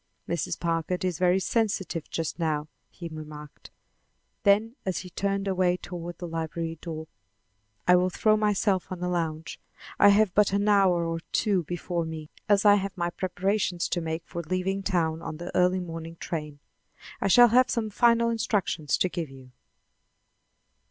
"Mrs. Packard is very sensitive just now," he remarked. Then as he turned away toward the library door: "I will throw myself on a lounge. I have but an hour or two before me, as I have my preparations to make for leaving town on the early morning train. I shall have some final instructions to give you."